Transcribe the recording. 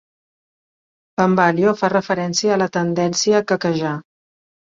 "Bambalio" fa referència a la tendència a quequejar.